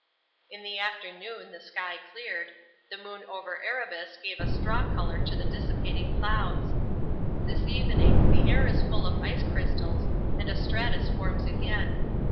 In the afternoon the sky cleared, the moon over Erebus gave a straw colour to the dissipating clouds. This evening the air is full of ice crystals and a stratus forms again.